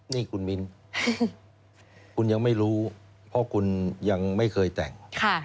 นี่คุณมิ้นคุณยังไม่รู้เพราะคุณยังไม่เคยแต่ง